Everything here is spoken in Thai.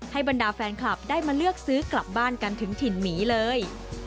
บรรดาแฟนคลับได้มาเลือกซื้อกลับบ้านกันถึงถิ่นหมีเลย